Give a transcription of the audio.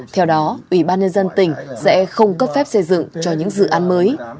theo đó ủy ban nhân dân tỉnh sẽ không cấp phép xây dựng cho những lò gạch đốt nung